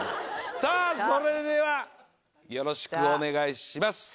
さぁそれではよろしくお願いします。